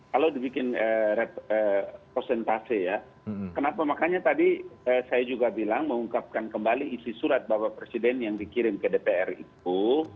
kalau dibikin prosentase ya kenapa makanya tadi saya juga bilang mengungkapkan kembali isi surat bapak presiden yang dikirim ke dpr itu